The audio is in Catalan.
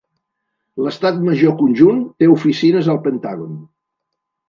L'Estat major conjunt té oficines al Pentàgon.